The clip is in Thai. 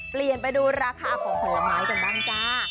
เปลี่ยนไปดูราคาของผลไม้กันบ้างจ้า